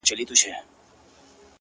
اوس په پوهېږمه زه، اوس انسان شناس يمه،